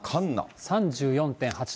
３４．８度。